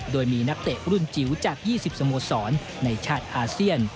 โดยมีนักเตะรุ่นจิ๋วจาก๒๐สโมสรในชาติอาเซียน